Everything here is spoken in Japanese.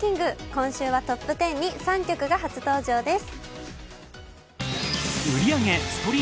今週はトップ１０に３曲が初登場です